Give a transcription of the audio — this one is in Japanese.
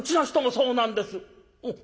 「そうなんです。